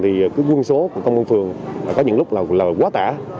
thì cái quân số của công an phường có những lúc là quá tả